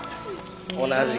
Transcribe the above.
同じく